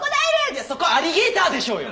いやそこアリゲーターでしょうよ。